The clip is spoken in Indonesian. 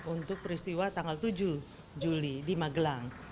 untuk peristiwa tanggal tujuh juli di magelang